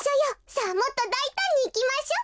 さあもっとだいたんにいきましょ！